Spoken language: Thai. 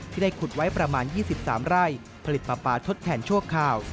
ได้ขุดไว้ประมาณ๒๓ไร่ผลิตปลาปลาทดแทนชั่วคราว